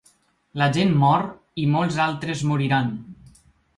La gent mor i molts altres moriran.